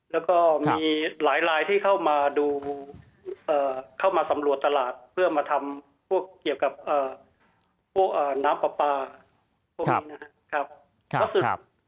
แล้วก็มีหลายลายที่เข้ามาดูเข้ามาสำรวจตลาดเพื่อมาทำพวกเกี่ยวกับพวกน้ำปลาปลาพวกนี้นะครับ